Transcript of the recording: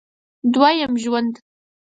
دوه یم ژوند